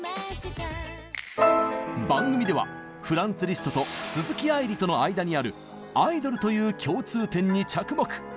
番組ではフランツ・リストと鈴木愛理との間にある「アイドル」という共通点に着目！